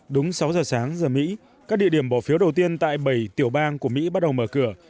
đúng sáu giờ sáng giờ mỹ các địa điểm bỏ phiếu đầu tiên tại bảy tiểu bang của mỹ bắt đầu mở cửa